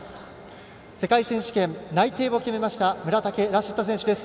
世界選手権内定を決めました村竹ラシッド選手です。